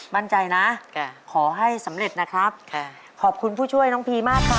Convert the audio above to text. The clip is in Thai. มั่นใจนะขอให้สำเร็จนะครับค่ะขอบคุณผู้ช่วยน้องพีมากค่ะ